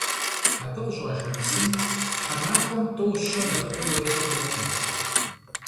Абы къыщӏэжа псым тхьэмахуэм тӏэу-щэ нэхъыбэ уефэ хъунукъым.